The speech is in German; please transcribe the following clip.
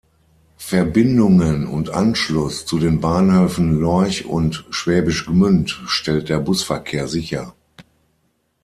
Verbindungen und Anschluss zu den Bahnhöfen Lorch und Schwäbisch Gmünd stellt der Busverkehr sicher.